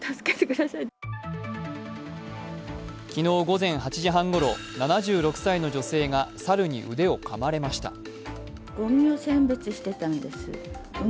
昨日午前８時半ごろ、７６歳の女性が猿に腕をかまれました。